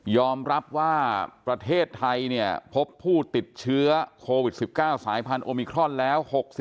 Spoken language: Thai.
รับว่าประเทศไทยเนี่ยพบผู้ติดเชื้อโควิด๑๙สายพันธุมิครอนแล้ว